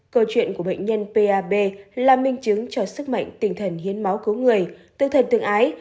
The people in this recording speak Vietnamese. câu chuyện của bệnh nhân pab là minh chứng cho sức mạnh tinh thần hiến máu cứu người tương thân tương ái